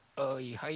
はい！